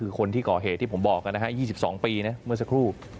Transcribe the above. คือคนที่ก่อเหตุที่ผมบอกนะฮะ๒๒ปีนะเมื่อสักครู่